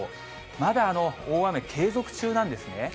まだ大雨、継続中なんですね。